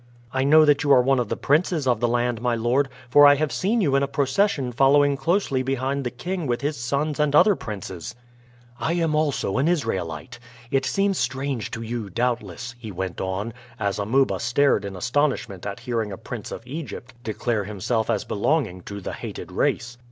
"I know that you are one of the princes of the land, my lord, for I have seen you in a procession following closely behind the king with his sons and other princes." "I also am an Israelite. It seems strange to you, doubtless," he went on, as Amuba started in astonishment at hearing a prince of Egypt declare himself as belonging to the hated race.